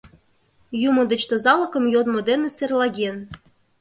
Юмо деч тазалыкым йодмо дене серлаген.